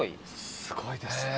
すごいですね。